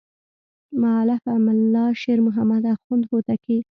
مؤلفه ملا شیر محمد اخوند هوتکی.